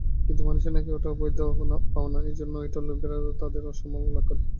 কিন্তু মানুষের নাকি ওটা অবৈধ পাওনা, এইজন্যে ঐটের লোভে তাদের অসামাল করে।